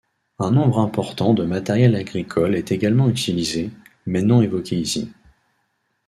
Un nombre important de matériel agricole est également utilisé, mais non évoqué ici.